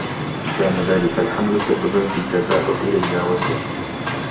كان ذلك الحمل سببا في تباعد ليلى و سامي.